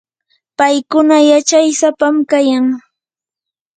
paykuna yachay sapam kayan.